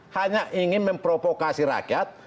hanya ingin memprovokasi rakyat